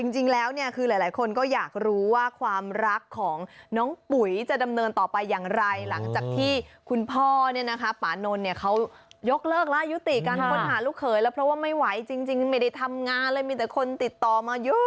จริงไม่ได้ทำงานเลยมีแต่คนติดต่อมา